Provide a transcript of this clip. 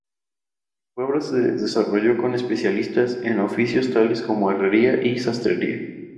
El pueblo se desarrolló con especialistas, en oficios tales como herrería y sastrería.